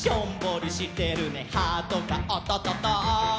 「ハートがおっとっとっと」